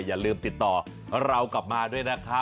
อย่าลืมติดต่อเรากลับมาด้วยนะครับ